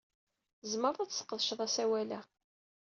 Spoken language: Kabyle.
Tzemreḍ ad tesqedceḍ asawal-a.